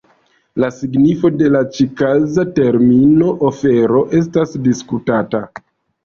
La signifo de la ĉi-kaza termino "ofero" estas diskutata.